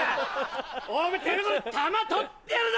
おめぇてめぇこの球撮ってやるぞ！